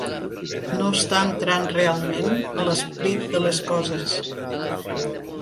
No està entrant realment a l'esperit de les coses.